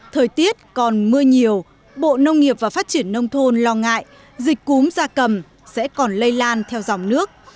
thời tiết còn mưa nhiều bộ nông nghiệp và phát triển nông thôn lo ngại dịch cúm gia cầm sẽ còn lây lan theo dòng nước